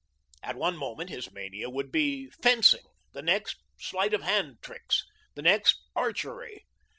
At one moment his mania would be fencing; the next, sleight of hand tricks; the next, archery.